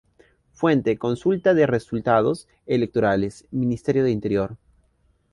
Fuente: Consulta de resultados electorales, Ministerio del Interior